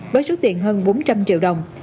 với số tiền hơn bốn trăm linh triệu đồng